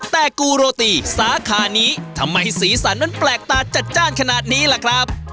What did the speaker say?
แต่กูโรตีสาขานี้ทำไมสีสันมันแปลกตาจัดจ้านขนาดนี้ล่ะครับ